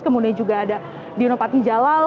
kemudian juga ada dino pati jalal